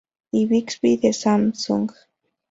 Y Bixby de Samsung.